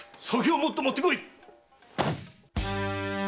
酒をもっと持ってこい！